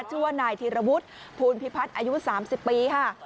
ชื่อว่านายธีรวุฒิภูลพิพัฒน์อายุ๓๐ปีค่ะ